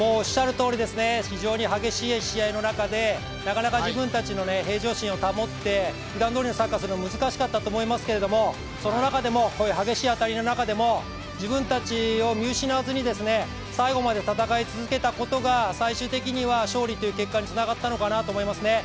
非常に激しい試合の中でなかなか自分たちの平常心を保って、ふだんどおりのサッカーをするのは難しかったと思いますけどその中でもこういう激しい当たりの中でも自分たちを見失わずに最後まで戦い続けたことが最終的には勝利という結果につながったのかなと思いますね。